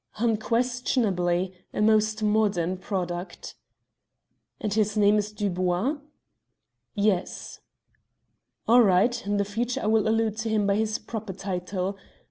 "Unquestionably a most modern product." "And his name is Dubois?" "Yes." "All right. In future I will allude to him by his proper title.